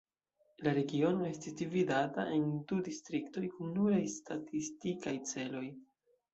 La regiono estis dividata en du distriktoj kun nuraj statistikaj celoj.